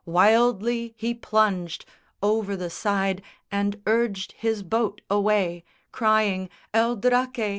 Wildly he plunged Over the side and urged his boat away, Crying, "El Draque!